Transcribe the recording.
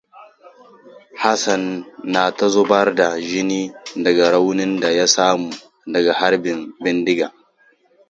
Hassan na ta zubar da jini daga raunin da ya samu daga harbin bindiga.